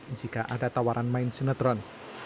jika ada tawaran main sinetron